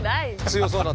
強そうな。